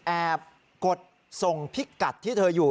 กดส่งพิกัดที่เธออยู่